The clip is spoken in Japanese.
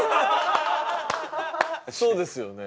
そうですよね。